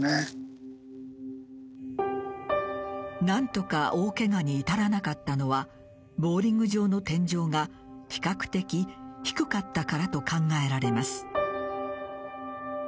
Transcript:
何とか大けがに至らなかったのはボウリング場の天井が比較的低かったからと考えられます。